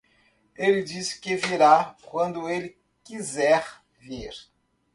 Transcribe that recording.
Ele disse que virá quando ele quiser vir.